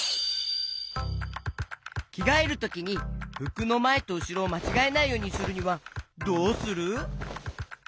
きがえるときにふくのまえとうしろをまちがえないようにするにはどうする？